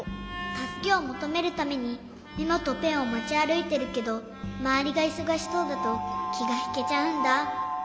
たすけをもとめるためにメモとペンをもちあるいてるけどまわりがいそがしそうだときがひけちゃうんだ。